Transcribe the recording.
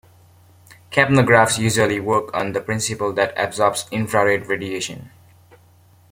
Capnographs usually work on the principle that absorbs infrared radiation.